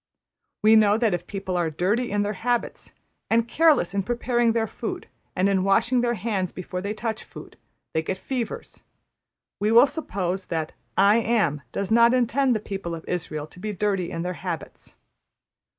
We know that if people are dirty in their habits and careless in preparing their food and in washing their hands before they touch food, they get fevers; we will suppose that `I Am' does not intend the people of Israël to be dirty in their habits.